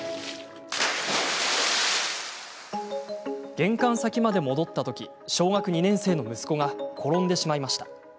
玄関先まで戻ったとき小学２年生の息子が転んでしまいました。